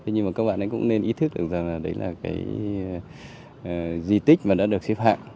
nhưng mà các bạn ấy cũng nên ý thức được rằng là đấy là cái di tích mà đã được xếp hạng